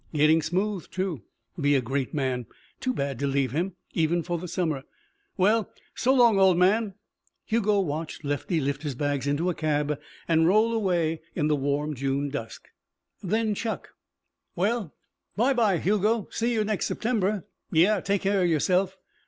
Getting smooth, too. Be a great man. Too bad to leave him even for the summer. "Well so long, old man." Hugo watched Lefty lift his bags into a cab and roll away in the warm June dust. Then Chuck: "Well by by, Hugo. See you next September." "Yeah. Take care of yourself."